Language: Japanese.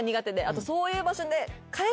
あとそういう場所で。